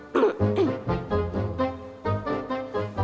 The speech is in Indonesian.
loh ini tuh panggilan gue